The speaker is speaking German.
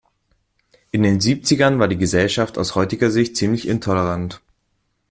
In den Siebzigern war die Gesellschaft aus heutiger Sicht ziemlich intolerant.